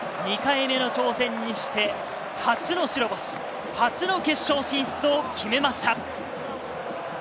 ２回目の挑戦にして初の白星、初の決勝進出を決めました。